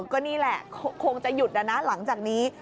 ก็นี่แหละคงจะหยุดนะนะหลังจากนี้